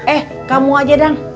eh kamu aja dang